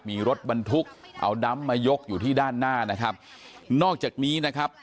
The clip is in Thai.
มีรถบรรทุกเอาดำมายกอยู่ที่ด้านหน้านะครับนอกจากนี้นะครับ